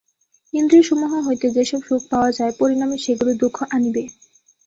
ইন্দ্রিয়সমূহ হইতে যে-সব সুখ পাওয়া যায়, পরিণামে সেগুলি দুঃখ আনিবে।